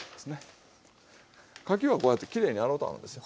かきはこうやってきれいに洗うてあるんですよ。